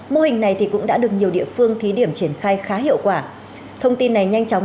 mô hình này cũng đã được nhiều địa phương thí điểm triển khai khá hiệu quả thông tin này nhanh chóng